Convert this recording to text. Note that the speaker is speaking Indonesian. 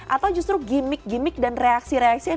atau justru gimmick gimmick dan reaksi reaksinya